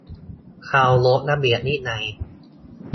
เคารพระเบียบวินัย